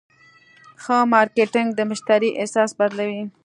ښه مارکېټنګ د مشتری احساس بدلوي.